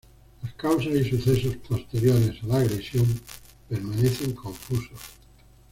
Las causas y sucesos posteriores a la agresión permanecen confusos.